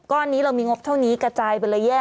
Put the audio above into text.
ก็อันนี้เรามีงบเท่านี้กระจายเป็นระยะ